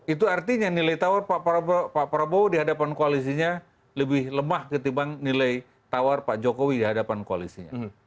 itu artinya nilai tawar pak prabowo di hadapan koalisinya lebih lemah ketimbang nilai tawar pak jokowi di hadapan koalisinya